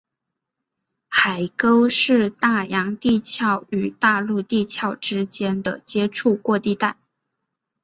海沟是大洋地壳与大陆地壳之间的接触过渡带。